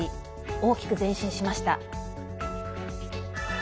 大きく前進しました。